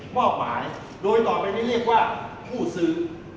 มอบหมายโดยต่อไปนี้เรียกว่าผู้ซื้อ